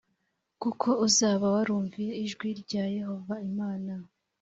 kuko uzaba warumviye ijwi rya yehova imana